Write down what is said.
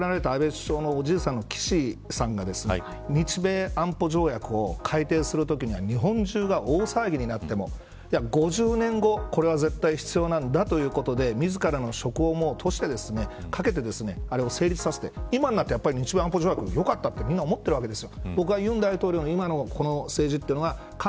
本当に亡くなられた安倍首相のおじいさんの岸さんが日米安保条約を改定するときには日本中が大騒ぎになっても５０年後、これは絶対必要なんだということで自らの職を賭してあれを成立させて今になって日米安保条約良かったと皆思っているわけです。